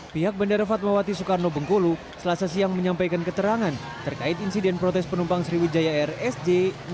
pihak bandara fatmawati soekarno bengkulu selasa siang menyampaikan keterangan terkait insiden protes penumpang sriwijaya air sj sembilan puluh satu